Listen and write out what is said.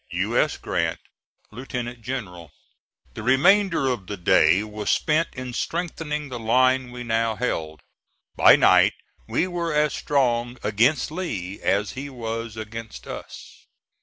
U. S. GRANT, Lieutenant General. The remainder of the day was spent in strengthening the line we now held. By night we were as strong against Lee as he was against us.